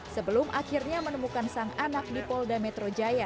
sebelum akhirnya menemukan sang anak di polda metro jaya